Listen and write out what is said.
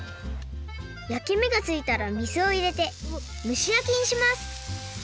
やきめがついたら水をいれてむしやきにします